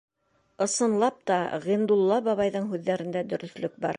Ысынлап та, Ғиндулла бабайҙың һүҙҙәрендә дөрөҫлөк бар.